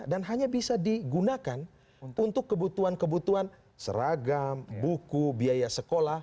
dan hanya bisa digunakan untuk kebutuhan kebutuhan seragam buku biaya sekolah